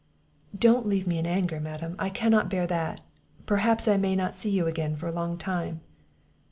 "Don't leave me in anger, madam; I cannot bear that. Perhaps I may not see you again for a long time."